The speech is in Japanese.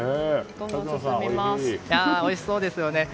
おいしそうですよね。